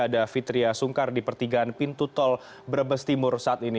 ada fitriah sungkar di pertigaan pintu tol brebes timur saat ini